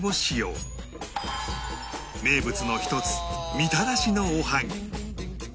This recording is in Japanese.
名物の１つみたらしのおはぎ